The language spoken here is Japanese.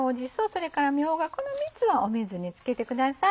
それからみょうがこの３つを水に漬けてください。